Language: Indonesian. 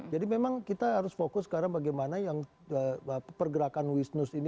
jadi memang kita harus fokus sekarang bagaimana yang pergerakan wisnus ini